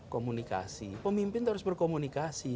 komunikasi pemimpin harus berkomunikasi